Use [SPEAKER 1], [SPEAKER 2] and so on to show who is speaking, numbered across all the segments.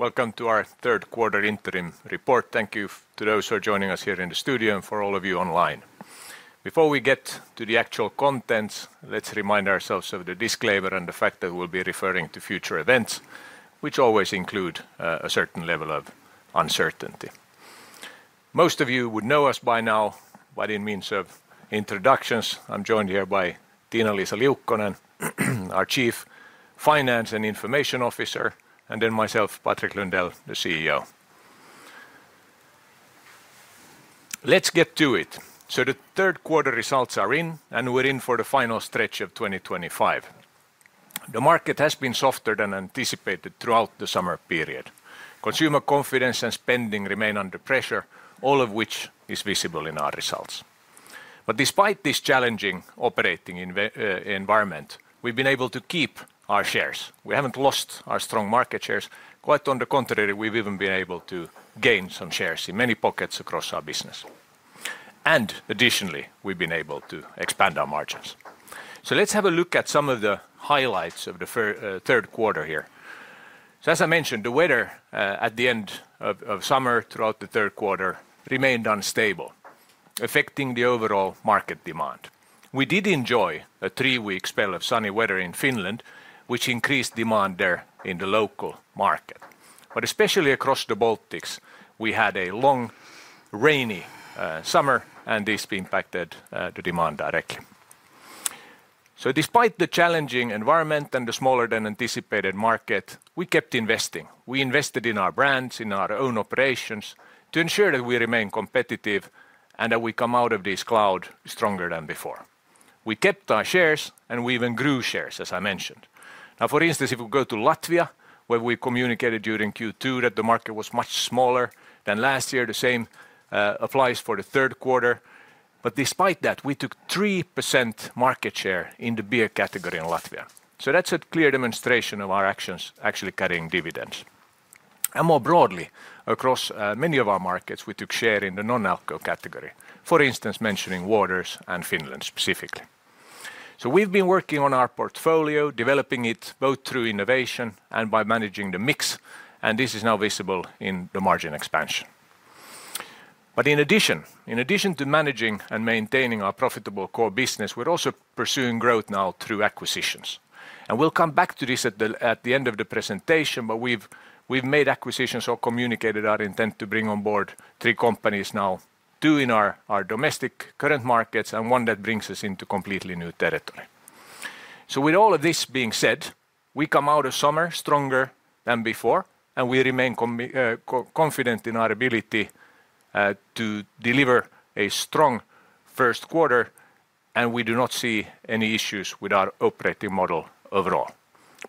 [SPEAKER 1] Welcome to our third quarter interim report. Thank you to those who are joining us here in the studio and for all of you online. Before we get to the actual contents, let's remind ourselves of the disclaimer and the fact that we'll be referring to future events, which always include a certain level of uncertainty. Most of you would know us by now, but in means of introductions, I'm joined here by Tiina-Liisa Liukkonen, our Chief Finance and Information Officer, and then myself, Patrik Lundell, the CEO. Let's get to it. The third quarter results are in, and we're in for the final stretch of 2025. The market has been softer than anticipated throughout the summer period. Consumer confidence and spending remain under pressure, all of which is visible in our results. Despite this challenging operating environment, we've been able to keep our shares. We haven't lost our strong market shares; quite on the contrary, we've even been able to gain some shares in many pockets across our business. Additionally, we've been able to expand our margins. Let's have a look at some of the highlights of the third quarter here. As I mentioned, the weather at the end of summer throughout the third quarter remained unstable, affecting the overall market demand. We did enjoy a three-week spell of sunny weather in Finland, which increased demand there in the local market. Especially across the Baltics, we had a long, rainy summer, and this impacted the demand directly. Despite the challenging environment and the smaller than anticipated market, we kept investing. We invested in our brands, in our own operations, to ensure that we remain competitive and that we come out of this cloud stronger than before. We kept our shares, and we even grew shares, as I mentioned. For instance, if we go to Latvia, where we communicated during Q2 that the market was much smaller than last year, the same applies for the third quarter. Despite that, we took 3% market share in the beer category in Latvia. That's a clear demonstration of our actions actually carrying dividends. More broadly, across many of our markets, we took share in the non-alcohol category, for instance, mentioning waters and Finland specifically. We've been working on our portfolio, developing it both through innovation and by managing the mix, and this is now visible in the margin expansion. In addition to managing and maintaining our profitable core business, we're also pursuing growth now through acquisitions. We'll come back to this at the end of the presentation, but we've made acquisitions or communicated our intent to bring on board three companies now, two in our domestic current markets and one that brings us into completely new territory. With all of this being said, we come out of summer stronger than before, and we remain confident in our ability to deliver a strong first quarter. We do not see any issues with our operating model overall.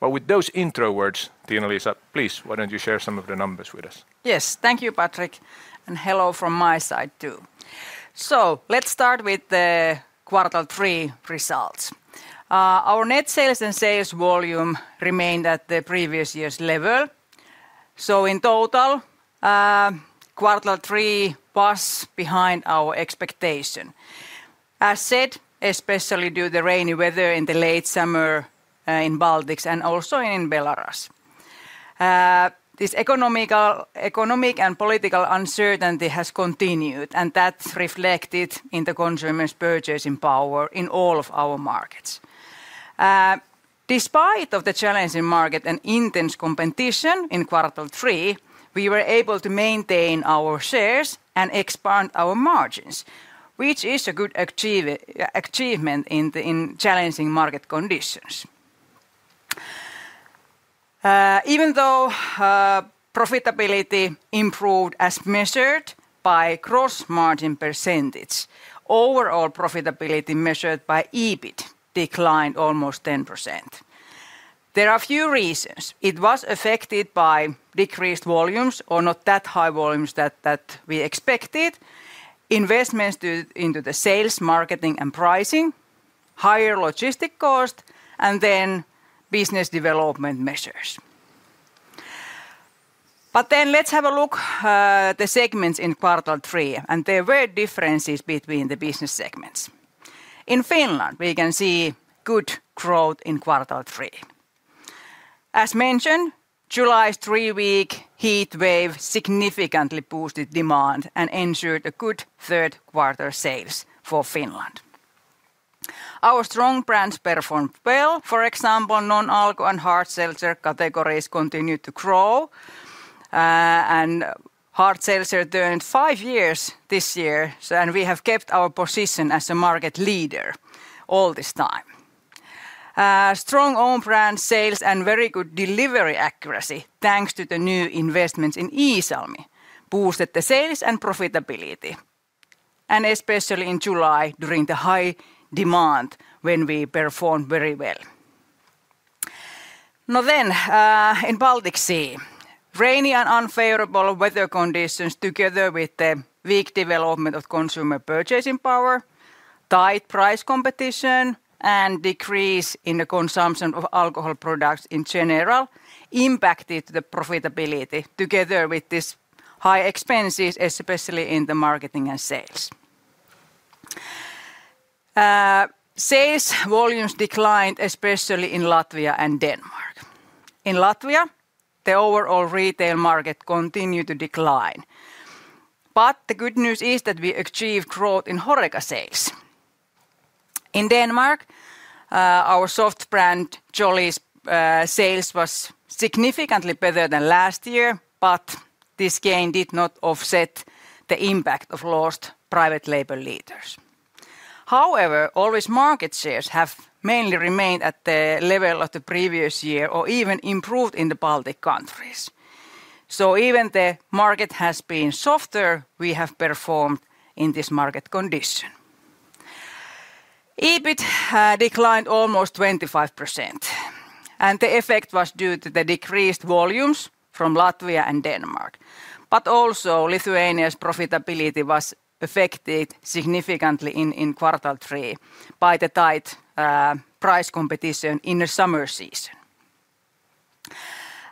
[SPEAKER 1] With those intro words, Tiina-Liisa, please, why don't you share some of the numbers with us?
[SPEAKER 2] Yes, thank you, Patrik, and hello from my side too. Let's start with the Q3 results. Our net sales and sales volume remained at the previous year's level. In total, Q3 was behind our expectation, especially due to the rainy weather in the late summer in the Baltics and also in Belarus. This economic and political uncertainty has continued, and that's reflected in the consumer's purchasing power in all of our markets. Despite the challenging market and intense competition in Q3, we were able to maintain our shares and expand our margins, which is a good achievement in challenging market conditions. Even though profitability improved as measured by gross margin %, overall profitability measured by EBIT declined almost 10%. There are a few reasons. It was affected by decreased volumes or not that high volumes that we expected, investments into the sales, marketing, and pricing, higher logistic cost, and then business development measures. Let's have a look at the segments in Q3, and there were differences between the business segments. In Finland, we can see good growth in Q3. As mentioned, July's three-week heat wave significantly boosted demand and ensured a good third quarter sales for Finland. Our strong brands performed well. For example, non-alcoholic and hard seltzer categories continued to grow, and hard seltzer turned five years this year, and we have kept our position as a market leader all this time. Strong owned brand sales and very good delivery accuracy, thanks to the new investments in Iisalmi, boosted the sales and profitability, especially in July during the high demand when we performed very well. In the Baltic Sea region, rainy and unfavorable weather conditions, together with the weak development of consumer purchasing power, tight price competition, and decrease in the consumption of alcohol products in general, impacted the profitability together with these high expenses, especially in the marketing and sales. Sales volumes declined, especially in Latvia and Denmark. In Latvia, the overall retail market continued to decline, but the good news is that we achieved growth in Horeca sales. In Denmark, our soft brand Jolly's sales were significantly better than last year, but this gain did not offset the impact of lost private label leaders. However, all these market shares have mainly remained at the level of the previous year or even improved in the Baltic countries. Even though the market has been softer, we have performed in this market condition. EBIT declined almost 25%, and the effect was due to the decreased volumes from Latvia and Denmark, but also Lithuania's profitability was affected significantly in Q3 by the tight price competition in the summer season.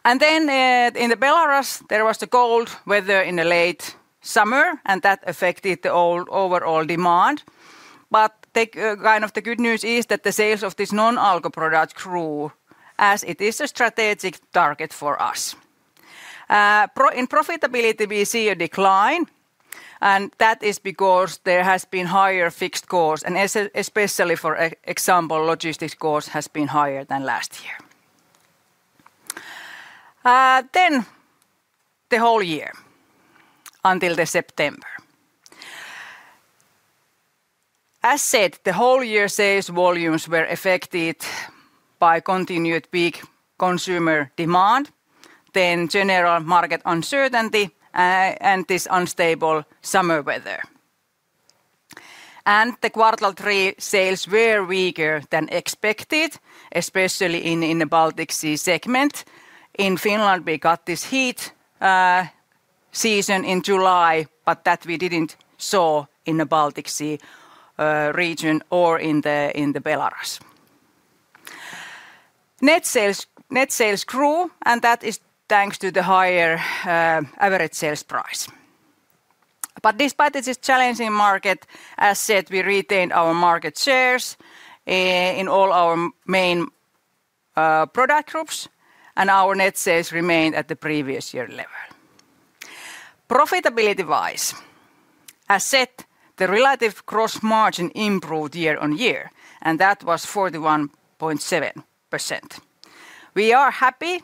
[SPEAKER 2] In Belarus, there was the cold weather in the late summer, and that affected the overall demand. The good news is that the sales of these non-alcoholic products grew, as it is a strategic target for us. In profitability, we see a decline, and that is because there have been higher fixed costs, and especially, for example, logistics costs have been higher than last year. The whole year until September, as said, the whole year sales volumes were affected by continued weak consumer demand, general market uncertainty, and this unstable summer weather. Q3 sales were weaker than expected, especially in the Baltic Sea segment. In Finland, we got this heat season in July, but that we didn't see in the Baltic Sea region or in Belarus. Net sales grew, and that is thanks to the higher average sales price. Despite this challenging market, as said, we retained our market shares in all our main product groups, and our net sales remained at the previous year level. Profitability-wise, as said, the relative gross margin improved year on year, and that was 41.7%. We are happy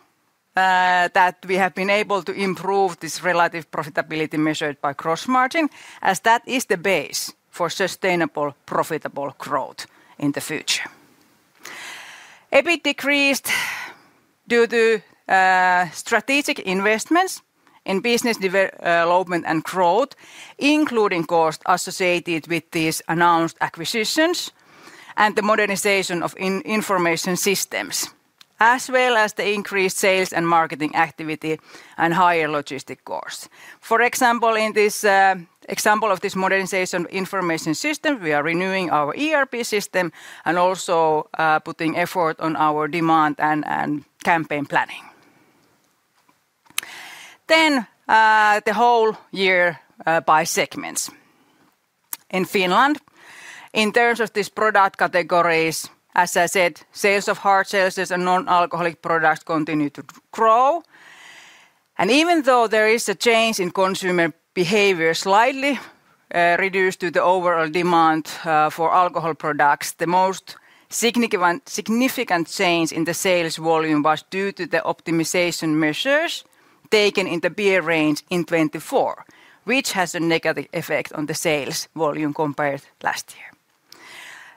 [SPEAKER 2] that we have been able to improve this relative profitability measured by gross margin, as that is the base for sustainable profitable growth in the future. EBIT decreased due to strategic investments in business development and growth, including costs associated with these announced acquisitions and the modernization of information systems, as well as the increased sales and marketing activity and higher logistics costs. For example, in this example of this modernization of information system, we are renewing our ERP system and also putting effort on our demand and campaign planning. The whole year by segments, in Finland, in terms of these product categories, as I said, sales of hard seltzers and non-alcoholic products continue to grow. Even though there is a change in consumer behavior slightly reduced due to the overall demand for alcohol products, the most significant change in the sales volume was due to the optimization measures taken in the beer range in 2024, which has a negative effect on the sales volume compared to last year.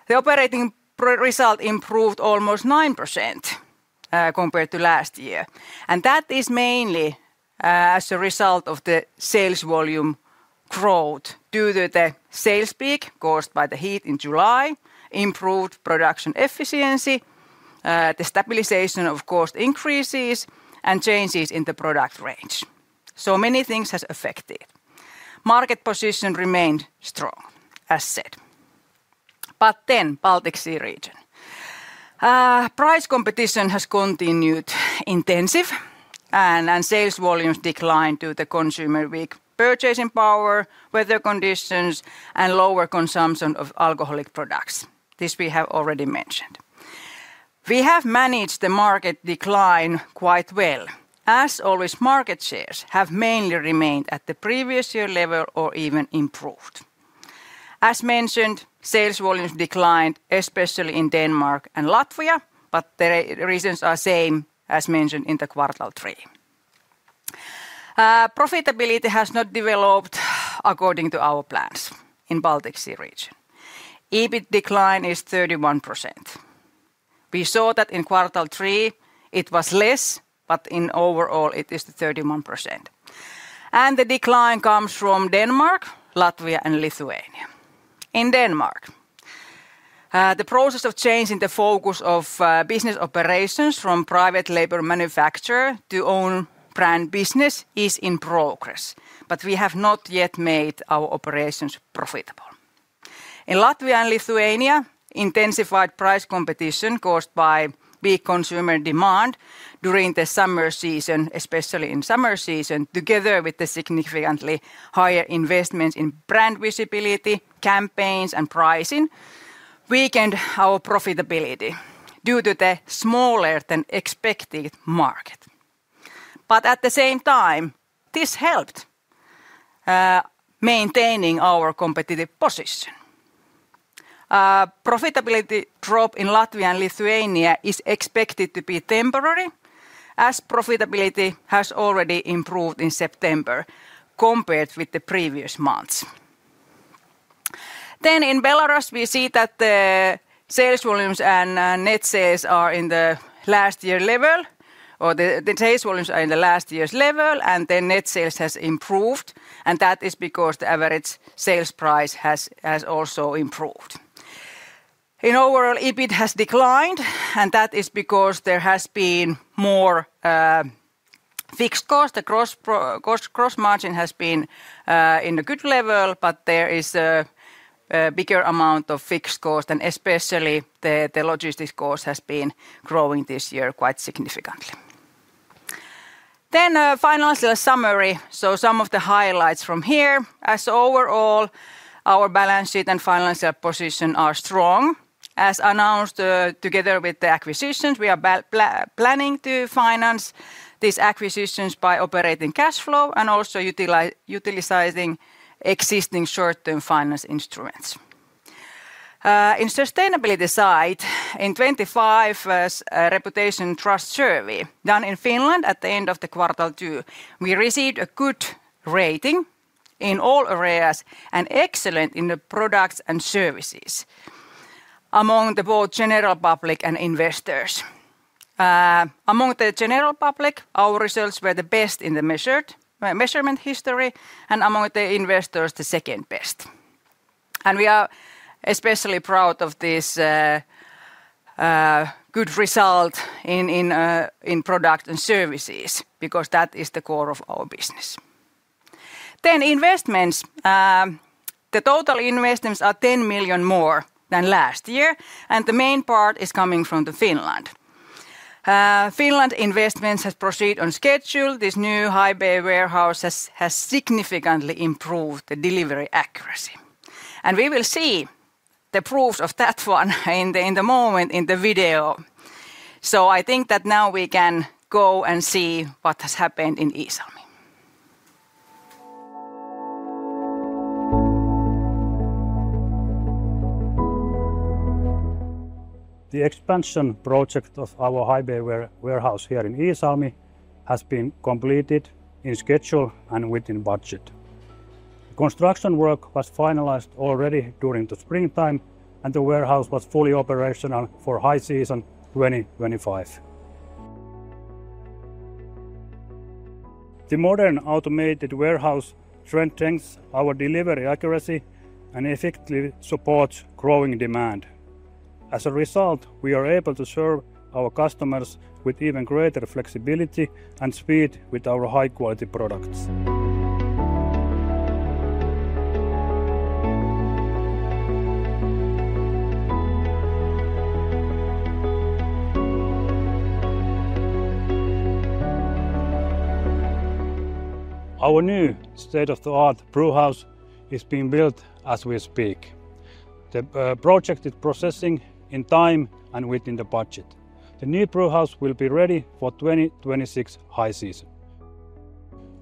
[SPEAKER 2] The operating result improved almost 9% compared to last year, and that is mainly as a result of the sales volume growth due to the sales peak caused by the heat in July, improved production efficiency, the stabilization of cost increases, and changes in the product range. Many things have affected. Market position remained strong, as said. The Baltic Sea region price competition has continued intensive, and sales volumes declined due to the consumer's weak purchasing power, weather conditions, and lower consumption of alcoholic products. This we have already mentioned. We have managed the market decline quite well. As always, market shares have mainly remained at the previous year level or even improved. As mentioned, sales volumes declined, especially in Denmark and Latvia, but the reasons are the same as mentioned in Q3. Profitability has not developed according to our plans in the Baltic Sea region. EBIT decline is 31%. We saw that in Q3 it was less, but overall it is 31%. The decline comes from Denmark, Latvia, and Lithuania. In Denmark, the process of changing the focus of business operations from private label manufacturer to own brand business is in progress, but we have not yet made our operations profitable. In Latvia and Lithuania, intensified price competition caused by weak consumer demand during the summer season, especially in summer season, together with the significantly higher investments in brand visibility, campaigns, and pricing, weakened our profitability due to the smaller than expected market. At the same time, this helped maintaining our competitive position. Profitability drop in Latvia and Lithuania is expected to be temporary, as profitability has already improved in September compared with the previous months. In Belarus, we see that the sales volumes and net sales are in the last year level, or the sales volumes are in the last year's level, and net sales have improved, and that is because the average sales price has also improved. In overall, EBIT has declined, and that is because there has been more fixed cost. The cross-margin has been in a good level, but there is a bigger amount of fixed cost, and especially the logistics cost has been growing this year quite significantly. Finance summary, so some of the highlights from here. As overall, our balance sheet and financial position are strong. As announced, together with the acquisitions, we are planning to finance these acquisitions by operating cash flow and also utilizing existing short-term finance instruments. In the sustainability side, in the 2025 Reputation Trust Survey done in Finland at the end of quarter two, we received a good rating in all areas and excellent in the products and services among both the general public and investors. Among the general public, our results were the best in the measurement history, and among the investors, the second best. We are especially proud of this good result in products and services because that is the core of our business. Investments, the total investments are 10 million more than last year, and the main part is coming from Finland. Finland investments have proceeded on schedule. This new high bay warehouse has significantly improved the delivery accuracy. We will see the proofs of that one in a moment in the video. I think that now we can go and see what has happened in Iisalmi. The expansion project of our high bay warehouse here in Iisalmi has been completed on schedule and within budget. Construction work was finalized already during the springtime, and the warehouse was fully operational for high season 2025. The modern automated warehouse strengthens our delivery accuracy and effectively supports growing demand. As a result, we are able to serve our customers with even greater flexibility and speed with our high-quality products. Our new state-of-the-art brewhouse is being built as we speak. The project is progressing in time and within the budget. The new brewhouse will be ready for 2026 high season.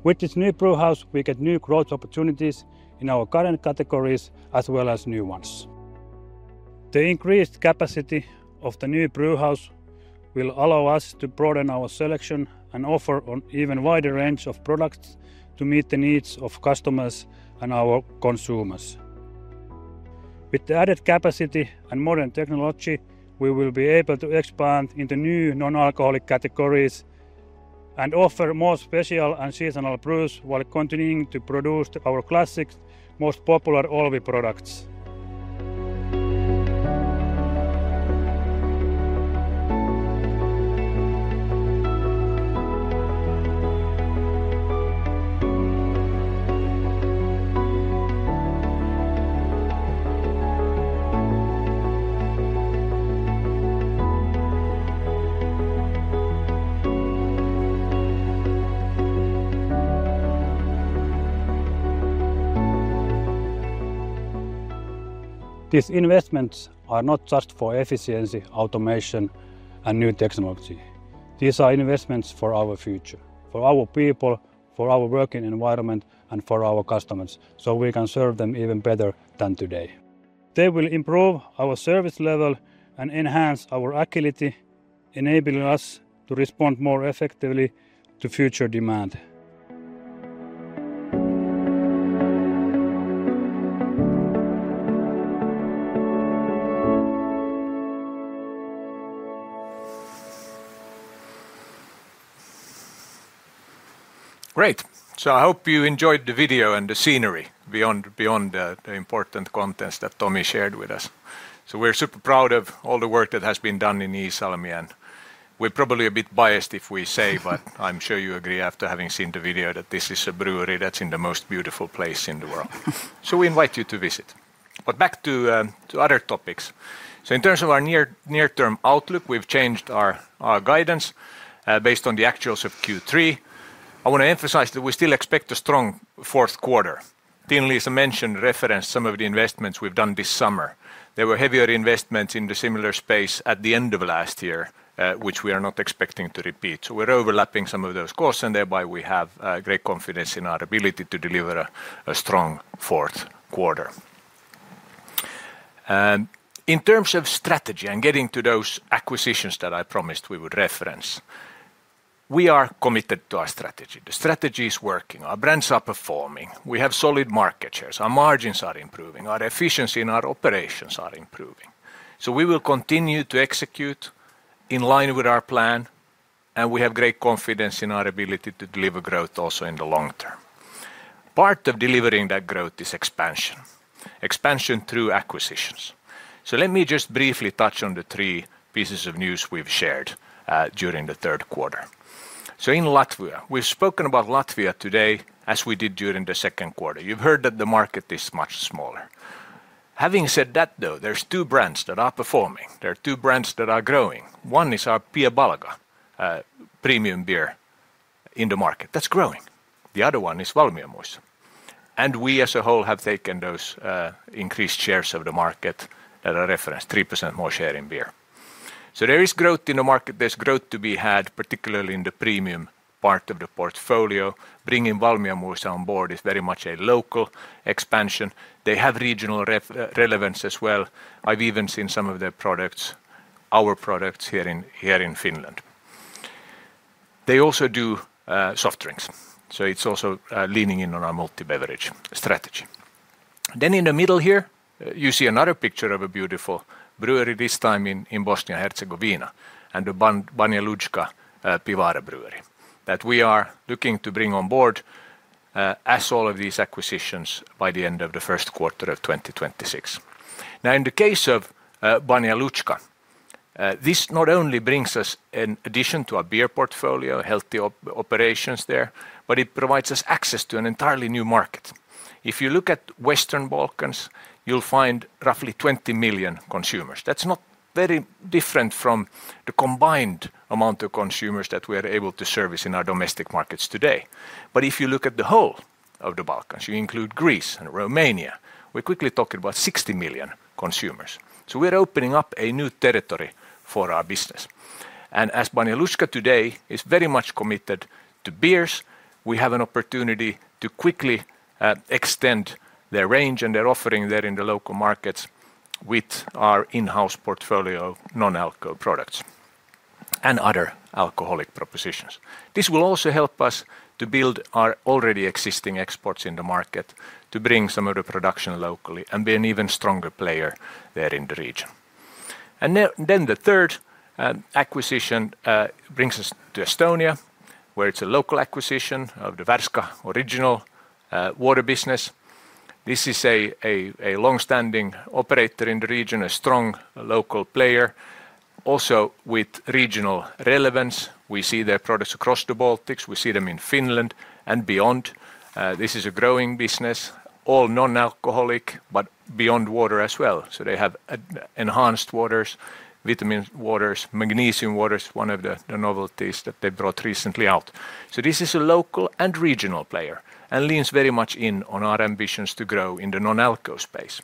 [SPEAKER 2] With this new brewhouse, we get new growth opportunities in our current categories as well as new ones. The increased capacity of the new brewhouse will allow us to broaden our selection and offer an even wider range of products to meet the needs of customers and our consumers. With the added capacity and modern technology, we will be able to expand into new non-alcoholic categories and offer more special and seasonal brews while continuing to produce our classics, most popular all the products. These investments are not just for efficiency, automation, and new technology. These are investments for our future, for our people, for our working environment, and for our customers so we can serve them even better than today. They will improve our service level and enhance our agility, enabling us to respond more effectively to future demand.
[SPEAKER 1] Great. I hope you enjoyed the video and the scenery beyond the important contents that Tommy shared with us. We're super proud of all the work that has been done in Iisalmi, and we're probably a bit biased if we say, but I'm sure you agree after having seen the video that this is a brewery that's in the most beautiful place in the world. We invite you to visit. Back to other topics. In terms of our near-term outlook, we've changed our guidance based on the actuals of Q3. I want to emphasize that we still expect a strong fourth quarter. Tiina-Liisa mentioned and referenced some of the investments we've done this summer. There were heavier investments in the similar space at the end of last year, which we are not expecting to repeat. We're overlapping some of those costs, and thereby we have great confidence in our ability to deliver a strong fourth quarter. In terms of strategy and getting to those acquisitions that I promised we would reference, we are committed to our strategy. The strategy is working. Our brands are performing. We have solid market shares. Our margins are improving. Our efficiency in our operations is improving. We will continue to execute in line with our plan, and we have great confidence in our ability to deliver growth also in the long term. Part of delivering that growth is expansion. Expansion through acquisitions. Let me just briefly touch on the three pieces of news we've shared during the third quarter. In Latvia, we've spoken about Latvia today as we did during the second quarter. You've heard that the market is much smaller. Having said that, though, there are two brands that are performing. There are two brands that are growing. One is our Piebalga, a premium beer in the market that's growing. The other one is Valmiermuiža. We, as a whole, have taken those increased shares of the market that are referenced, 3% more share in beer. There is growth in the market. There's growth to be had, particularly in the premium part of the portfolio. Bringing Valmiermuiža on board is very much a local expansion. They have regional relevance as well. I've even seen some of their products, our products here in Finland. They also do soft drinks. It's also leaning in on our multi-beverage strategy. In the middle here, you see another picture of a beautiful brewery, this time in Bosnia and Herzegovina, and the Banja Luka Pivara brewery that we are looking to bring on board as all of these acquisitions by the end of the first quarter of 2026. In the case of Banja Luka, this not only brings us an addition to our beer portfolio, healthy operations there, but it provides us access to an entirely new market. If you look at Western Balkans, you'll find roughly 20 million consumers. That's not very different from the combined amount of consumers that we are able to service in our domestic markets today. If you look at the whole of the Balkans, you include Greece and Romania, we're quickly talking about 60 million consumers. We're opening up a new territory for our business. As Banja Luka today is very much committed to beers, we have an opportunity to quickly extend their range and their offering there in the local markets with our in-house portfolio of non-alcoholic products and other alcoholic propositions. This will also help us to build our already existing exports in the market, to bring some of the production locally, and be an even stronger player there in the region. The third acquisition brings us to Estonia, where it's a local acquisition of the Värska Mineraalvee OU original water business. This is a longstanding operator in the region, a strong local player, also with regional relevance. We see their products across the Baltics. We see them in Finland and beyond. This is a growing business, all non-alcoholic, but beyond water as well. They have enhanced waters, vitamin waters, magnesium waters, one of the novelties that they brought recently out. This is a local and regional player and leans very much in on our ambitions to grow in the non-alcohol space.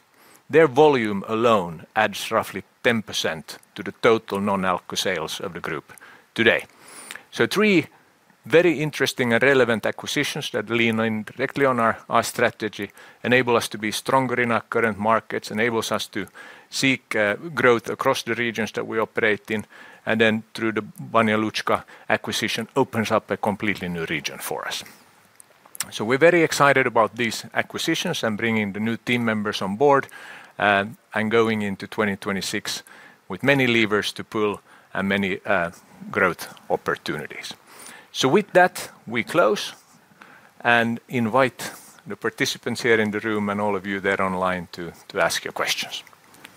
[SPEAKER 1] Their volume alone adds roughly 10% to the total non-alcohol sales of the group today. Three very interesting and relevant acquisitions lean directly on our strategy, enable us to be stronger in our current markets, enable us to seek growth across the regions that we operate in, and through the Banja Luka acquisition open up a completely new region for us. We're very excited about these acquisitions and bringing the new team members on board and going into 2026 with many levers to pull and many growth opportunities. With that, we close and invite the participants here in the room and all of you there online to ask your questions.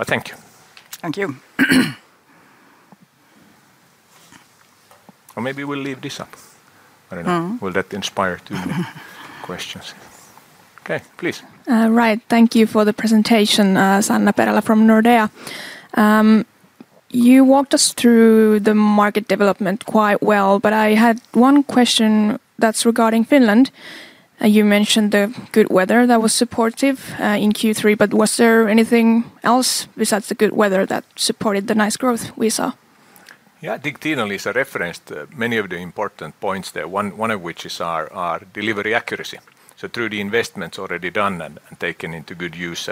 [SPEAKER 1] Thank you.
[SPEAKER 2] Thank you.
[SPEAKER 1] Maybe we'll leave this up. I don't know. Will that inspire too many questions? Okay, please.
[SPEAKER 3] Right, thank you for the presentation, Sanna Perälä from Nordea. You walked us through the market development quite well, but I had one question that's regarding Finland. You mentioned the good weather that was supportive in Q3, but was there anything else besides the good weather that supported the nice growth we saw?
[SPEAKER 1] Yeah, I think Tiina-Liisa referenced many of the important points there, one of which is our delivery accuracy. Through the investments already done and taken into good use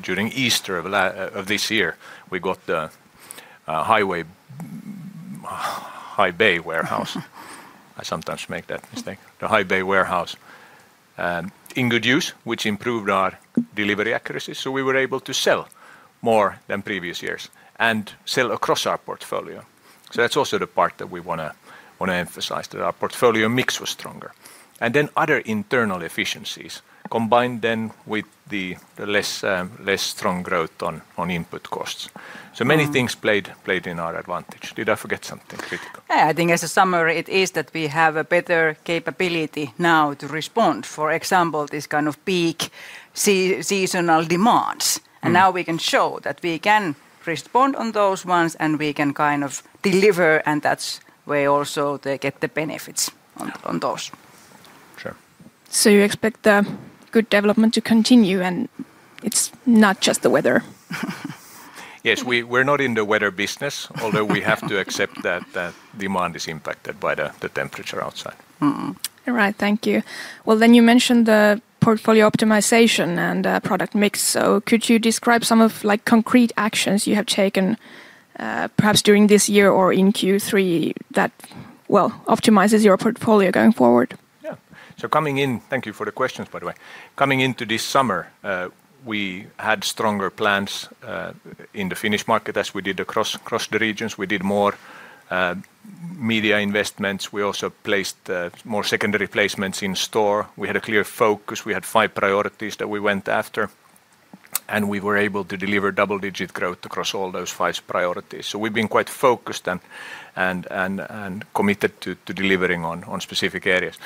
[SPEAKER 1] during Easter of this year, we got the high bay warehouse. I sometimes make that mistake. The high bay warehouse in good use improved our delivery accuracy, so we were able to sell more than previous years and sell across our portfolio. That's also the part that we want to emphasize, that our portfolio mix was stronger. Other internal efficiencies combined with the less strong growth on input costs. Many things played in our advantage. Did I forget something critical?
[SPEAKER 2] I think as a summary, it is that we have a better capability now to respond, for example, to this kind of peak seasonal demands. We can show that we can respond on those ones and we can kind of deliver, and that's where also they get the benefits on those.
[SPEAKER 1] Sure.
[SPEAKER 3] You expect the good development to continue, and it's not just the weather?
[SPEAKER 1] Yes, we're not in the weather business, although we have to accept that demand is impacted by the temperature outside.
[SPEAKER 3] All right, thank you. You mentioned the portfolio optimization and product mix. Could you describe some of the concrete actions you have taken perhaps during this year or in Q3 that optimizes your portfolio going forward?
[SPEAKER 1] Yeah, so coming in, thank you for the questions, by the way. Coming into this summer, we had stronger plans in the Finnish market as we did across the regions. We did more media investments. We also placed more secondary placements in store. We had a clear focus. We had five priorities that we went after, and we were able to deliver double-digit growth across all those five priorities. We've been quite focused and committed to delivering on specific areas.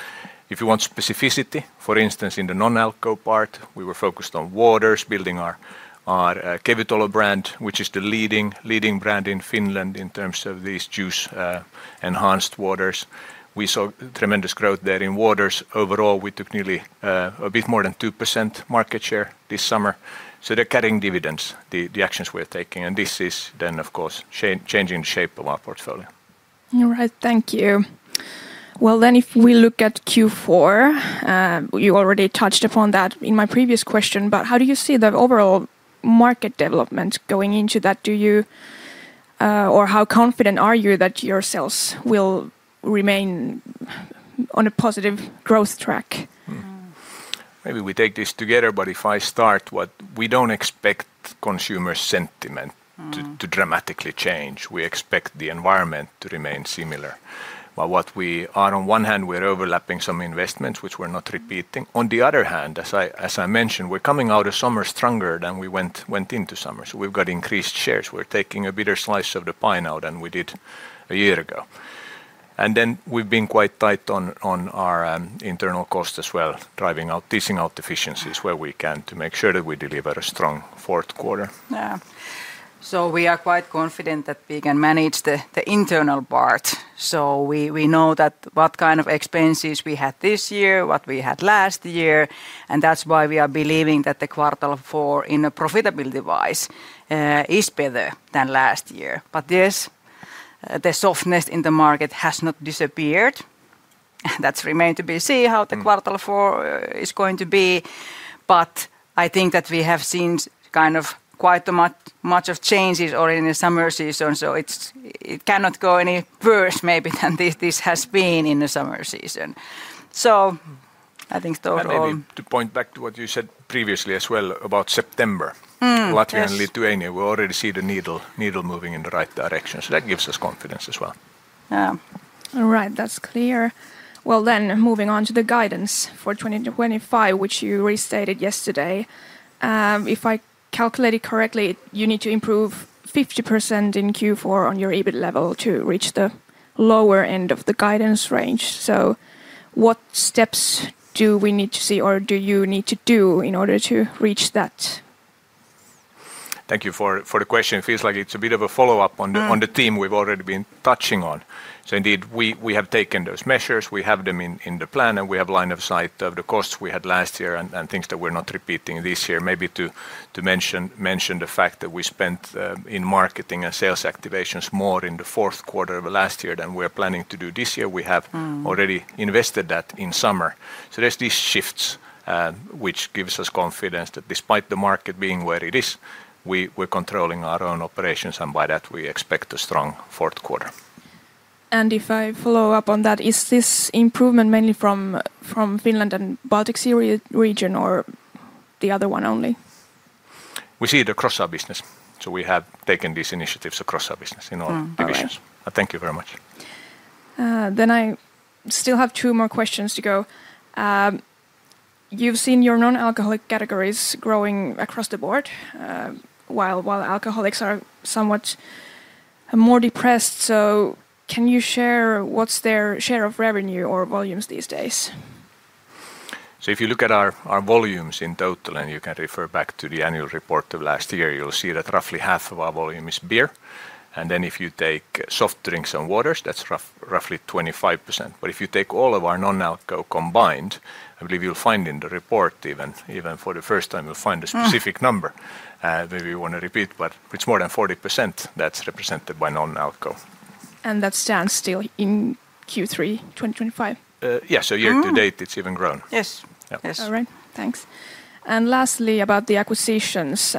[SPEAKER 1] If you want specificity, for instance, in the non-alcohol part, we were focused on waters, building our Kevytalo brand, which is the leading brand in Finland in terms of these juice-enhanced waters. We saw tremendous growth there in waters. Overall, we took nearly a bit more than 2% market share this summer. They're cutting dividends, the actions we're taking, and this is then, of course, changing the shape of our portfolio.
[SPEAKER 3] All right, thank you. If we look at Q4, you already touched upon that in my previous question, but how do you see the overall market development going into that? Do you, or how confident are you that your sales will remain on a positive growth track?
[SPEAKER 1] Maybe we take this together, but if I start, we don't expect consumer sentiment to dramatically change. We expect the environment to remain similar. On one hand, we're overlapping some investments, which we're not repeating. On the other hand, as I mentioned, we're coming out of summer stronger than we went into summer. We've got increased shares. We're taking a bigger slice of the pie out than we did a year ago. We've been quite tight on our internal cost as well, driving out, teasing out efficiencies where we can to make sure that we deliver a strong fourth quarter.
[SPEAKER 2] Yeah, we are quite confident that we can manage the internal part. We know what kind of expenses we had this year, what we had last year, and that's why we are believing that the Q4 in the profitability-wise is better than last year. Yes, the softness in the market has not disappeared. That remains to be seen how the Q4 is going to be. I think that we have seen quite a much of changes already in the summer season. It cannot go any worse maybe than this has been in the summer season. I think total.
[SPEAKER 1] To point back to what you said previously as well about September, Latvia and Lithuania, we already see the needle moving in the right direction. That gives us confidence as well.
[SPEAKER 3] All right, that's clear. Moving on to the guidance for 2025, which you restated yesterday. If I calculated correctly, you need to improve 50% in Q4 on your EBIT level to reach the lower end of the guidance range. What steps do we need to see or do you need to do in order to reach that?
[SPEAKER 1] Thank you for the question. It feels like it's a bit of a follow-up on the theme we've already been touching on. Indeed, we have taken those measures. We have them in the plan, and we have a line of sight of the costs we had last year and things that we're not repeating this year. Maybe to mention the fact that we spent in marketing and sales activations more in the fourth quarter of last year than we are planning to do this year. We have already invested that in summer. There are these shifts which give us confidence that despite the market being where it is, we're controlling our own operations, and by that we expect a strong fourth quarter.
[SPEAKER 3] Is this improvement mainly from Finland and the Baltic Sea region or the other one only?
[SPEAKER 1] We see it across our business. We have taken these initiatives across our business in all divisions. Thank you very much.
[SPEAKER 3] I still have two more questions to go. You've seen your non-alcoholic categories growing across the board while alcoholics are somewhat more depressed. Can you share what's their share of revenue or volumes these days?
[SPEAKER 1] If you look at our volumes in total, and you can refer back to the annual report of last year, you'll see that roughly half of our volume is beer. If you take soft drinks and waters, that's roughly 25%. If you take all of our non-alcohol combined, I believe you'll find in the report, even for the first time, you'll find a specific number. Maybe you want to repeat, but it's more than 40% that's represented by non-alcohol.
[SPEAKER 3] Does that stand still in Q3 2025?
[SPEAKER 1] Yes, year to date it's even grown.
[SPEAKER 3] All right, thanks. Lastly, about the acquisitions,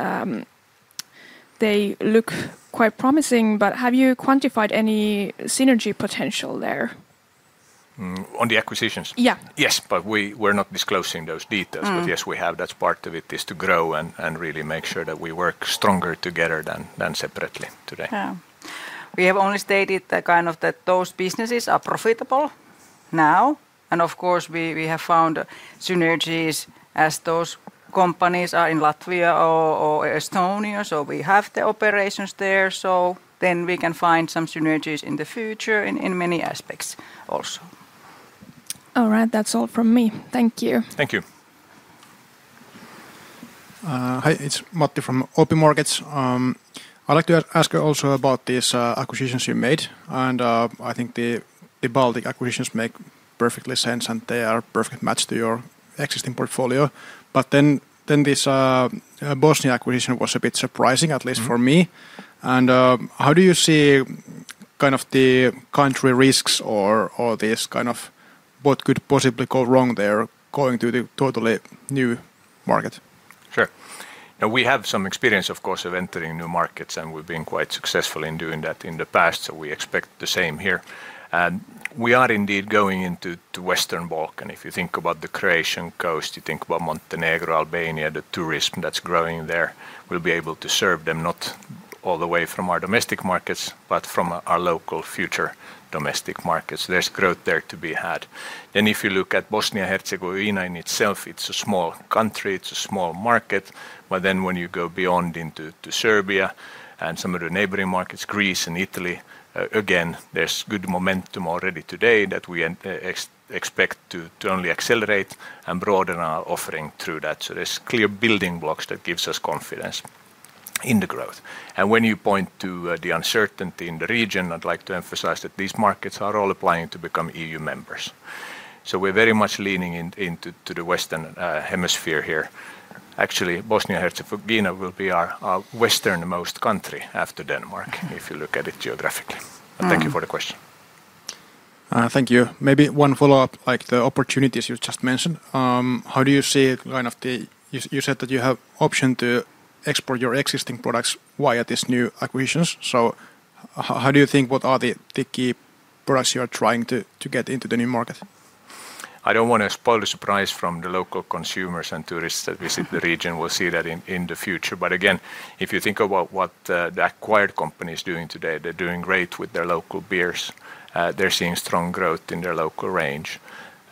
[SPEAKER 3] they look quite promising. Have you quantified any synergy potential there?
[SPEAKER 1] On the acquisitions?
[SPEAKER 3] Yeah.
[SPEAKER 1] Yes, we're not disclosing those details. Yes, we have. That is part of it, to grow and really make sure that we work stronger together than separately today.
[SPEAKER 2] We have only stated that those businesses are profitable now. Of course, we have found synergies as those companies are in Latvia or Estonia. We have the operations there, so we can find some synergies in the future in many aspects also.
[SPEAKER 3] All right, that's all from me. Thank you.
[SPEAKER 1] Thank you. Hi, it's Matti from Open Markets. I'd like to ask you also about these acquisitions you made. I think the Baltic acquisitions make perfect sense, and they are a perfect match to your existing portfolio. This Bosnia acquisition was a bit surprising, at least for me. How do you see kind of the country risks or this kind of what could possibly go wrong there going to the totally new market? Sure. Now, we have some experience, of course, of entering new markets, and we've been quite successful in doing that in the past. We expect the same here. We are indeed going into the Western Balkans. If you think about the Croatian coast, you think about Montenegro, Albania, the tourism that's growing there, we'll be able to serve them not all the way from our domestic markets, but from our local future domestic markets. There's growth there to be had. If you look at Bosnia and Herzegovina in itself, it's a small country, it's a small market. When you go beyond into Serbia and some of the neighboring markets, Greece and Italy, again, there's good momentum already today that we expect to only accelerate and broaden our offering through that. There's clear building blocks that give us confidence in the growth. When you point to the uncertainty in the region, I'd like to emphasize that these markets are all applying to become EU members. We're very much leaning into the Western Hemisphere here. Actually, Bosnia and Herzegovina will be our westernmost country after Denmark, if you look at it geographically. Thank you for the question. Thank you. Maybe one follow-up, like the opportunities you just mentioned. How do you see kind of the, you said that you have option to export your existing products via these new acquisitions. How do you think what are the key products you are trying to get into the new market? I don't want to spoil the surprise for the local consumers and tourists that visit the region. We'll see that in the future. If you think about what the acquired company is doing today, they're doing great with their local beers. They're seeing strong growth in their local range.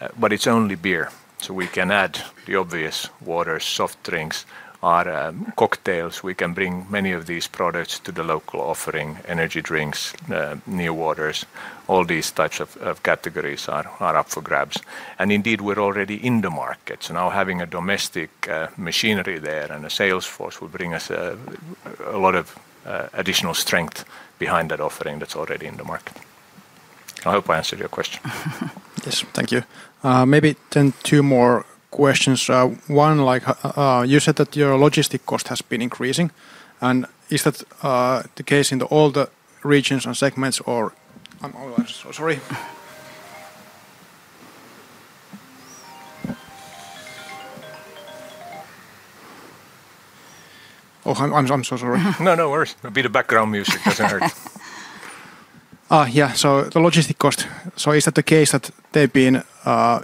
[SPEAKER 1] It's only beer. We can add the obvious waters, soft drinks, our cocktails. We can bring many of these products to the local offering, energy drinks, new waters. All these types of categories are up for grabs. Indeed, we're already in the market. Now having a domestic machinery there and a sales force will bring us a lot of additional strength behind that offering that's already in the market. I hope I answered your question. Yes, thank you. Maybe two more questions. One, like you said that your logistic cost has been increasing. Is that the case in all the regions and segments? I'm sorry. Oh, I'm so sorry. No worries. It'll be the background music. It doesn't hurt. Yeah, so the logistic cost. Is that the case that they've been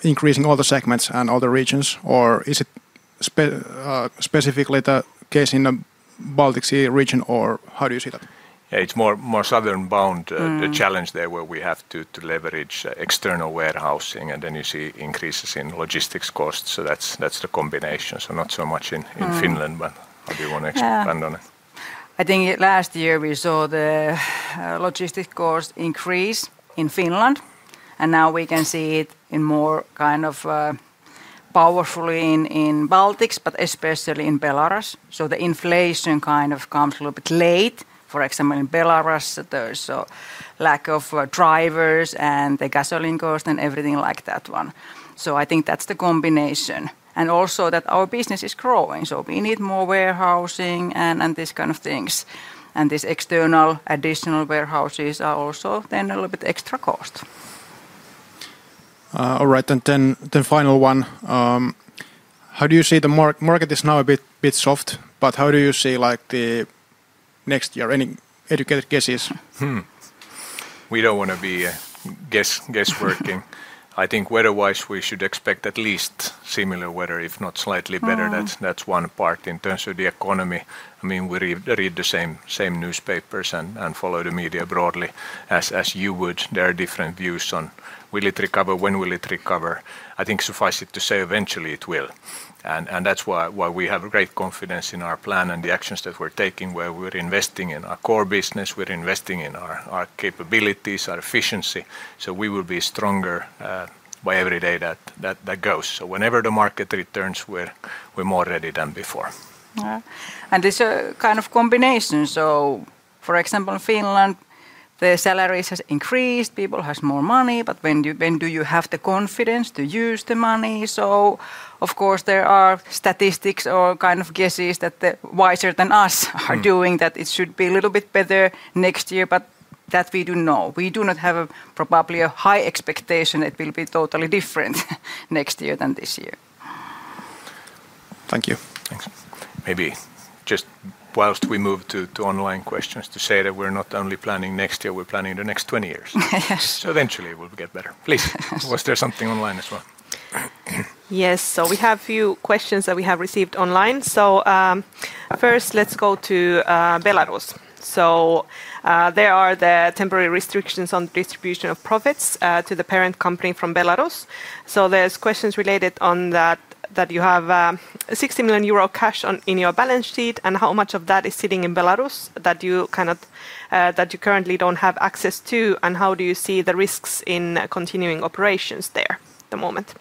[SPEAKER 1] increasing all the segments and all the regions? Is it specifically the case in the Baltic Sea region, or how do you see that? Yeah, it's more southern bound. The challenge there is where we have to leverage external warehousing, and then you see increases in logistics costs. That's the combination. Not so much in Finland, but how do you want to expand on it?
[SPEAKER 2] I think last year we saw the logistic cost increase in Finland. Now we can see it more powerfully in the Baltics, especially in Belarus. The inflation kind of comes a little bit late. For example, in Belarus, there's a lack of drivers and the gasoline cost and everything like that. I think that's the combination. Also, our business is growing, so we need more warehousing and these kind of things. These external additional warehouses are also then a little bit extra cost. All right, and then the final one. How do you see the market? The market is now a bit soft, but how do you see like the next year? Any educated guesses?
[SPEAKER 1] We don't want to be guessworking. I think weather-wise we should expect at least similar weather, if not slightly better. That's one part. In terms of the economy, I mean, we read the same newspapers and follow the media broadly as you would. There are different views on will it recover, when will it recover. I think suffice it to say eventually it will. That's why we have great confidence in our plan and the actions that we're taking, where we're investing in our core business, we're investing in our capabilities, our efficiency. We will be stronger by every day that goes. Whenever the market returns, we're more ready than before.
[SPEAKER 2] It is a kind of combination. For example, in Finland, the salaries have increased, people have more money, but when do you have the confidence to use the money? Of course, there are statistics or guesses that the wiser than us are doing that it should be a little bit better next year, but that we do know. We do not have probably a high expectation it will be totally different next year than this year. Thank you.
[SPEAKER 1] Maybe just whilst we move to online questions, to say that we're not only planning next year, we're planning the next 20 years. Eventually we'll get better. Please, was there something online as well?
[SPEAKER 4] Yes, we have a few questions that we have received online. First, let's go to Belarus. There are the temporary restrictions on the distribution of profits to the parent company from Belarus. There are questions related to that, that you have 60 million euro cash in your balance sheet, and how much of that is sitting in Belarus that you currently don't have access to, and how do you see the risks in continuing operations there at the moment?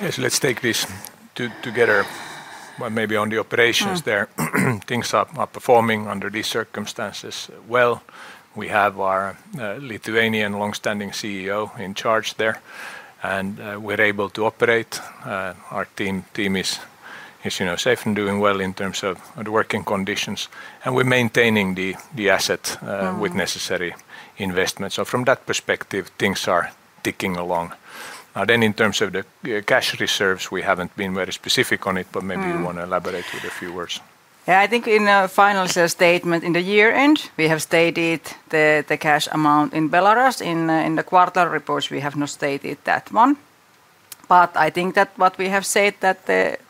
[SPEAKER 1] Yes, let's take this together, but maybe on the operations there. Things are performing under these circumstances well. We have our Lithuanian long-standing CEO in charge there, and we're able to operate. Our team is safe and doing well in terms of the working conditions, and we're maintaining the asset with necessary investments. From that perspective, things are ticking along. In terms of the cash reserves, we haven't been very specific on it, but maybe you want to elaborate with a few words.
[SPEAKER 2] I think in the final statement in the year-end, we have stated the cash amount in Belarus in the quarter reports. We have not stated that one, but I think that what we have said is that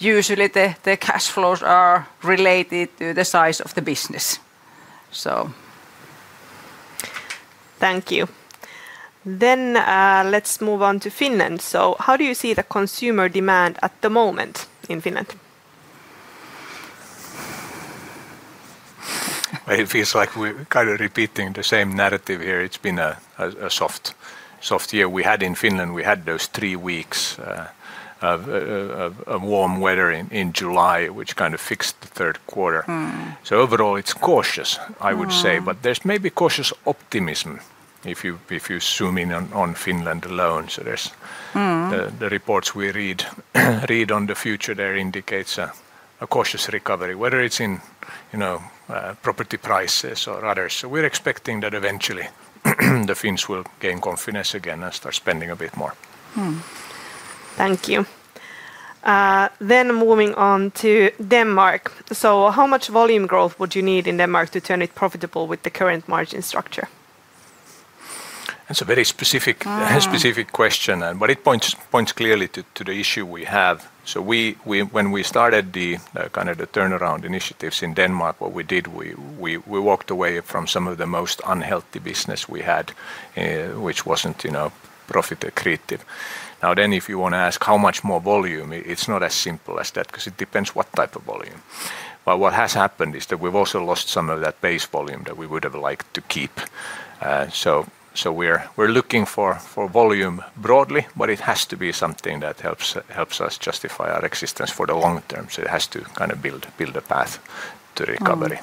[SPEAKER 2] usually the cash flows are related to the size of the business.
[SPEAKER 4] Thank you. Let's move on to Finland. How do you see the consumer demand at the moment in Finland?
[SPEAKER 1] It feels like we're kind of repeating the same narrative here. It's been a soft, soft year. We had in Finland, we had those three weeks of warm weather in July, which kind of fixed the third quarter. Overall, it's cautious, I would say, but there's maybe cautious optimism if you zoom in on Finland alone. The reports we read on the future there indicate a cautious recovery, whether it's in property prices or others. We're expecting that eventually the Finns will gain confidence again and start spending a bit more.
[SPEAKER 4] Thank you. Moving on to Denmark, how much volume growth would you need in Denmark to turn it profitable with the current margin structure?
[SPEAKER 1] That's a very specific question, but it points clearly to the issue we have. When we started the kind of turnaround initiatives in Denmark, what we did, we walked away from some of the most unhealthy business we had, which wasn't profit creative. If you want to ask how much more volume, it's not as simple as that because it depends what type of volume. What has happened is that we've also lost some of that base volume that we would have liked to keep. We're looking for volume broadly, but it has to be something that helps us justify our existence for the long term. It has to kind of build a path to recovery.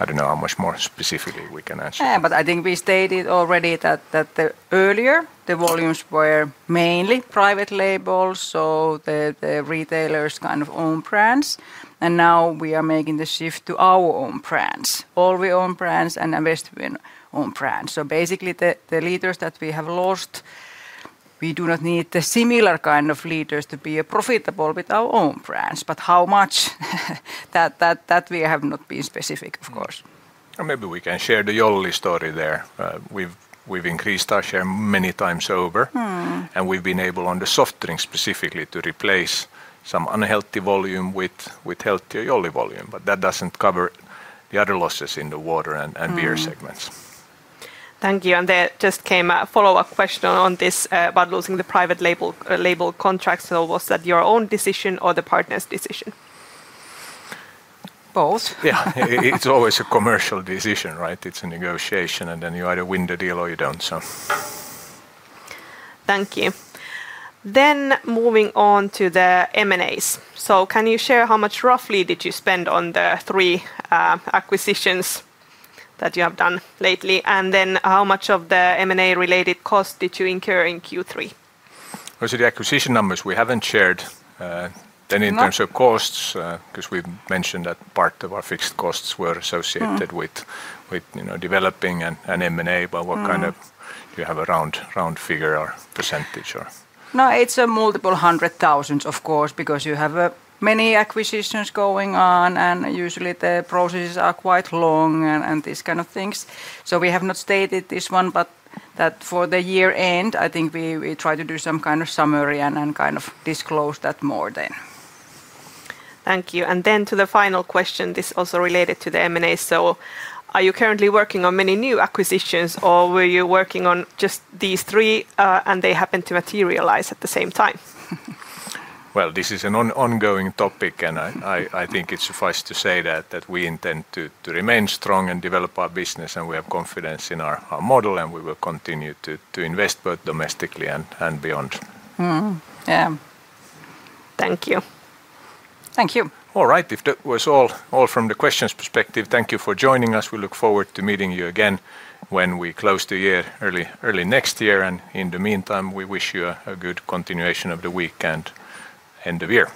[SPEAKER 1] I don't know how much more specifically we can answer.
[SPEAKER 2] Yeah, I think we stated already that earlier the volumes were mainly private labels, so the retailers' kind of own brands, and now we are making the shift to our own brands, Olvi own brands, and investment own brands. Basically, the leaders that we have lost, we do not need the similar kind of leaders to be profitable with our own brands, but how much, that we have not been specific, of course.
[SPEAKER 1] Maybe we can share the YOLI story there. We've increased our share many times over, and we've been able, on the soft drinks specifically, to replace some unhealthy volume with healthier YOLI volume, but that doesn't cover the other losses in the water and beer segments.
[SPEAKER 4] Thank you. There just came a follow-up question on this about losing the private label contracts. Was that your own decision or the partner's decision?
[SPEAKER 2] Both.
[SPEAKER 1] Yeah, it's always a commercial decision, right? It's a negotiation, and then you either win the deal or you don't.
[SPEAKER 4] Thank you. Moving on to the M&As, can you share how much roughly did you spend on the three acquisitions that you have done lately, and how much of the M&A-related costs did you incur in Q3?
[SPEAKER 1] The acquisition numbers, we haven't shared any in terms of costs because we've mentioned that part of our fixed costs were associated with developing an M&A, but what kind of, do you have a round figure or percentage?
[SPEAKER 2] No, it's multiple hundred thousands, of course, because you have many acquisitions going on, and usually the processes are quite long and these kind of things. We have not stated this one, but for the year-end, I think we try to do some kind of summary and disclose that more then.
[SPEAKER 4] Thank you. To the final question, this is also related to the M&A. Are you currently working on many new acquisitions, or were you working on just these three, and they happened to materialize at the same time?
[SPEAKER 1] This is an ongoing topic, and I think it's suffice to say that we intend to remain strong and develop our business. We have confidence in our model, and we will continue to invest both domestically and beyond.
[SPEAKER 4] Thank you.
[SPEAKER 2] Thank you.
[SPEAKER 1] All right, if that was all from the questions perspective, thank you for joining us. We look forward to meeting you again when we close the year early next year, and in the meantime, we wish you a good continuation of the week and the year.